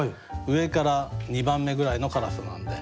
上から２番目ぐらいの辛さなんで。